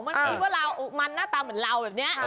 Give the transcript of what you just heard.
มันคิดว่าเรามันหน้าตาเหมือนเราแบบนี้